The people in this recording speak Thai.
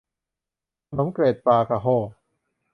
ขนมเกล็ดปลากะโห้